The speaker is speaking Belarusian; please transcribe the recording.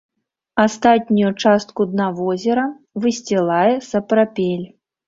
Астатнюю частку дна возера высцілае сапрапель.